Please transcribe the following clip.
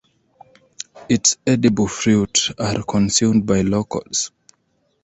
Its edible fruit are consumed by locals.